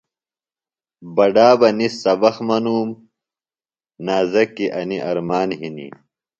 بڈا بہ ِنس سبق منُوم۔ نازکیۡ انیۡ ارمان ہِنیۡ